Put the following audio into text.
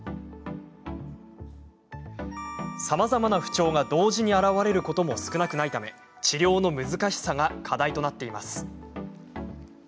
さまざまな不調が同時に現れることも少なくないため治療の難しさが課題となっています。